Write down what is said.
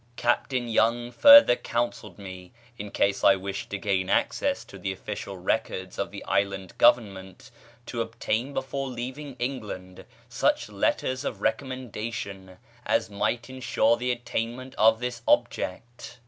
Captain Young further counselled me, in case I wished to gain access to the official records of the Island Government, to obtain before leaving England such letters of recommendation as might ensure the attainment of this object.